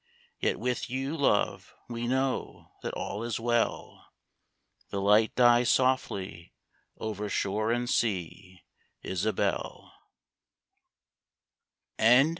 Yet with you, love, we know that all is well ! The light dies softly over shore and sea, — Isabelle !